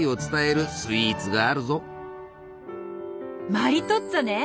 マリトッツォね！